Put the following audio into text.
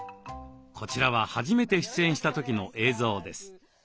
こちらは初めて出演した時の映像です。